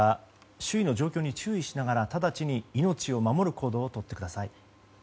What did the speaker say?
周囲の状況に注意しながら直ちに命を守る行動をとってください。